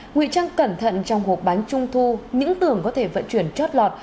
nguy trang cẩn thận trong hộp bánh trung thu những tường có thể vận chuyển chót lọt